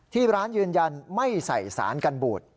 ที่ร้านยืนยันไม่ใส่สารกันบูด